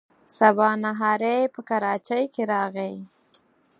سبا نهاری په کراچۍ کې راغی.